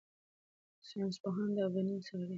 ساینسپوهان دا بڼې څاري.